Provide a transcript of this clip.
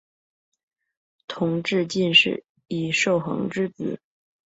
同治进士尹寿衡之子。